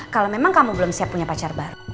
kalau memang kamu belum siap punya pacar baru